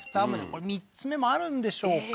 これ３つ目もあるんでしょうか？